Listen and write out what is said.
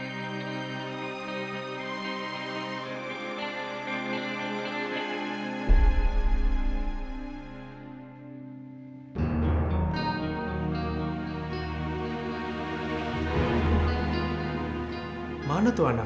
nggak ada apa apa